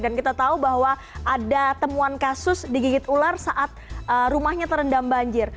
dan kita tahu bahwa ada temuan kasus digigit ular saat rumahnya terendam banjir